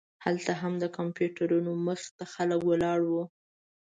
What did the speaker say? هلته هم د کمپیوټرونو مخې ته خلک ولاړ وو.